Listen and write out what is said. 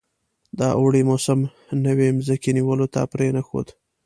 د اوړي موسم نوي مځکې نیولو ته پرې نه ښود.